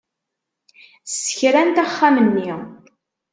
Ssekrant axxam-nni.